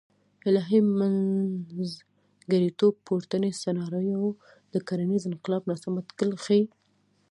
الهي منځګړیتوب پورتنۍ سناریو د کرنیز انقلاب ناسم اټکل ښیي.